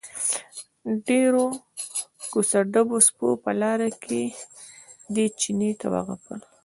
ډېرو کوڅه ډبو سپو په لاره کې دې چیني ته وغپل.